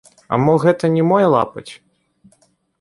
А мо гэта не мой лапаць?